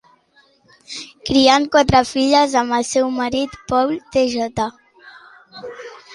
Criant quatre filles amb el seu marit Paul T. J.